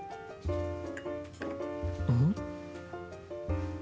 うん？